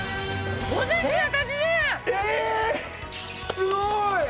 すごい！